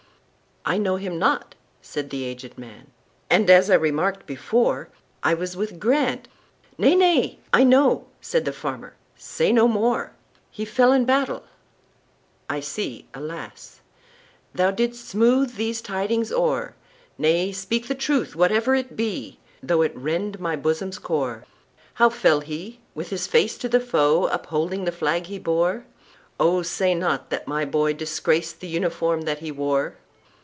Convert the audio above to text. "I know him not," said the aged man,"And, as I remarked before,I was with Grant"—"Nay, nay, I know,"Said the farmer, "say no more:"He fell in battle,—I see, alas! Thou 'dst smooth these tidings o'er,—Nay, speak the truth, whatever it be, Though it rend my bosom's core."How fell he,—with his face to the foe, Upholding the flag he bore? Oh, say not that my boy disgracedThe uniform that he wore!"